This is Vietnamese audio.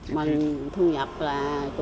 mình thu nhập là